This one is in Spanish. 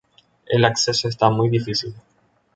El acceso está muy difícil.